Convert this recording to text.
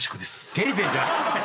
照れてんじゃない。